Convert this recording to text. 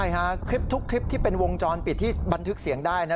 ใช่ค่ะคลิปทุกคลิปที่เป็นวงจรปิดที่บันทึกเสียงได้นะ